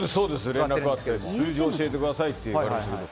連絡あって数字教えてくださいって言われました。